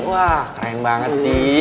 wah keren banget sih